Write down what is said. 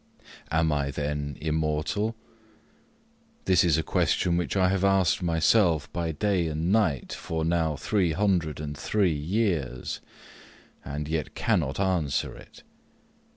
Am I, then, immortal? This is a question which I have asked myself, by day and night, for now three hundred and three years, and yet cannot answer it.